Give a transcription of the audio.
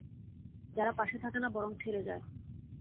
যারা পাশে থাকে না বরং ছেড়ে যায়।